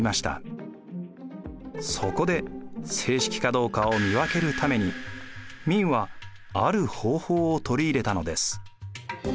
そこで正式かどうかを見分けるために明はある方法を取り入れたのです。